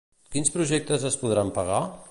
Quins projectes es podran pagar?